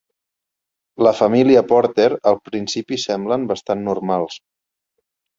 La família Porter al principi semblen bastant normals.